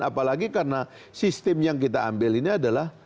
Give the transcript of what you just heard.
apalagi karena sistem yang kita ambil ini adalah